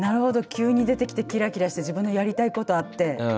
急に出てきてキラキラして自分のやりたいことあって。